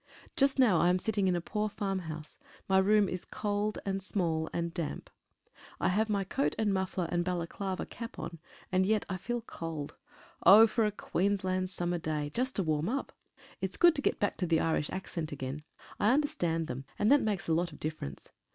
Just now I am sitting in a poor farmhouse. My room is small and cold and damp. I have my coat and muffler and Balaclava cap on, and yet I feel cold. Oh, for a Queensland summer day, just to warm up! It is good to get back to the Irish accent again. I understand them, and that makes a lot of dif ference.